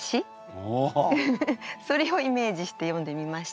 それをイメージして詠んでみました。